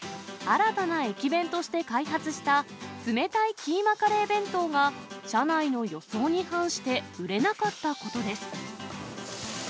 新たな駅弁として開発した、冷たいキーマカレー弁当が、社内の予想に反して売れなかったことです。